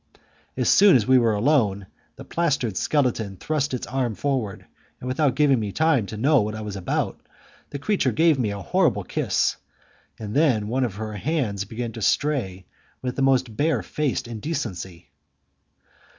As soon as we were alone, the plastered skeleton thrust its arms forward, and, without giving me time to know what I was about, the creature gave me a horrible kiss, and then one of her hands began to stray with the most bare faced indecency.